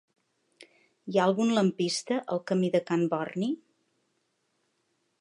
Hi ha algun lampista al camí de Can Borni?